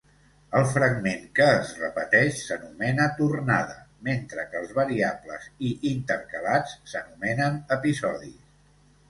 El fragment que es repeteix s'anomena tornada, mentre que els variables i intercalats s'anomenen episodis.